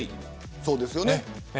そうですよね。